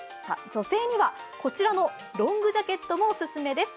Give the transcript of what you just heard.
女性にはこちらのロングジャケットもオススメです。